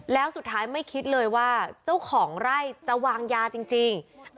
แล้วสุดท้ายไม่คิดเลยว่าเจ้าของไร่จะวางยาจริง